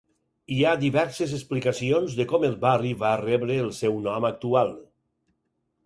Hi ha diverses explicacions de com el barri va rebre el seu nom actual.